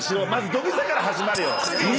土下座から始まれよ！